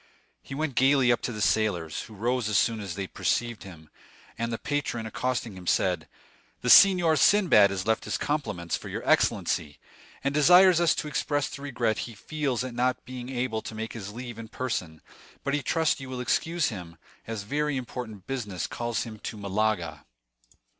He went gayly up to the sailors, who rose as soon as they perceived him; and the patron, accosting him, said: "The Signor Sinbad has left his compliments for your excellency, and desires us to express the regret he feels at not being able to take his leave in person; but he trusts you will excuse him, as very important business calls him to Malaga."